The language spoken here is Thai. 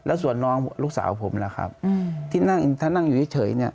แล้วส่วนน้องลูกสาวผมถ้านั่งอยู่เฉย